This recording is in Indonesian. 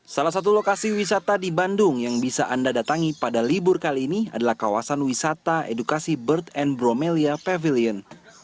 salah satu lokasi wisata di bandung yang bisa anda datangi pada libur kali ini adalah kawasan wisata edukasi bird and bromelia pavilion